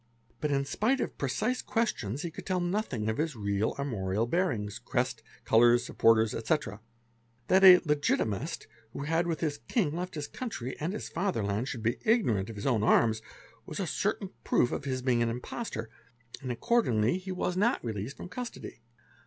But in spite of precise questions, he could tell nothing about his real armorial bearings, crest, colours, supporters, etc. That a " Legitimist '', who had with his king left his country and his fatherland, should be ignorant of his own arms was a certain proof of his being an impostor, and accordingly he was not released from custody.